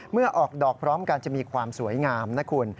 เมื่อออกดอกพร้อมกันจะมีความสวยงามนะคุณ